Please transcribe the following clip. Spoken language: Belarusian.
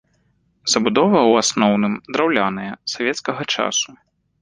Забудова ў асноўным драўляная савецкага часу.